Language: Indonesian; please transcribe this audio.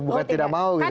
bukan tidak mau gitu